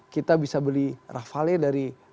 kita bisa beli rafale dari